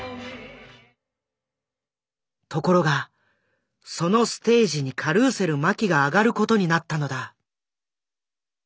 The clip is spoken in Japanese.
ところがそのステージにカルーセル麻紀が上がる事になったのだ。